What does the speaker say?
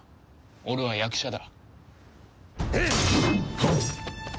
俺は役者だ。